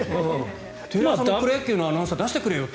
テレ朝のプロ野球のアナウンサー出してくれよって。